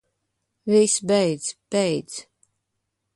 Viss, beidz. Beidz.